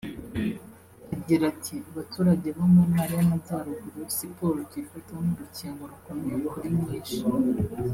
Agira ati “Baturage bo mu ntara y’amajyaruguru siporo tuyifate nk’urukingo rukomeye kuri nyinshi